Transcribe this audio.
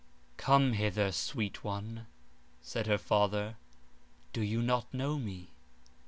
"Come hither, sweet one," said her father, "do you not know me?"